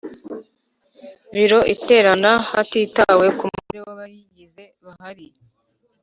Biro iterana hatitawe ku mubare w’abayigize bahari.